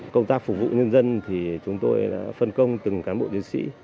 công tác phục vụ nhân dân thì chúng tôi đã phân công từng cán bộ chiến sĩ